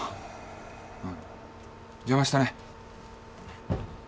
邪魔したね。